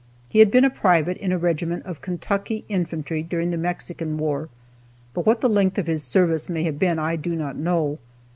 He had been a private in a regiment of Kentucky infantry during the Mexican War, but what the length of his service may have been I do not know.